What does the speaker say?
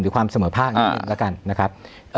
หรือความเสมอภาคแล้วกันนะครับ